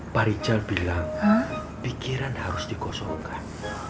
pak richard bilang pikiran harus dikosongkan